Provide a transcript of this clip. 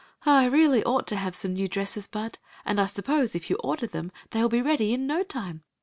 " I really ought to have some new dresses. Bud. And I suppose if you order them they will be ready in no time.